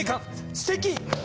すてき！